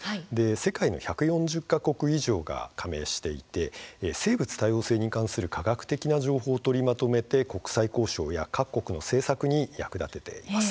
世界の１４０か国以上が加盟していて、生物多様性に関する科学的な情報を取りまとめて国際交渉や各国の政策に役立てています。